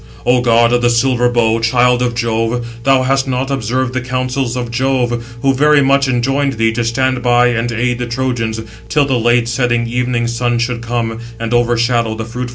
O god of the silver bow, child of Jove, thou hast not observed the counsels of Jove, who very much enjoined thee to stand by and aid the Trojans, till the late setting evening 679 sun should come, and overshadow the fruitful earth."